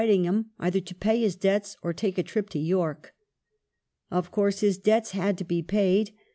\g him either to pay his debts or take a trip to York. Of course his debts had to be paid.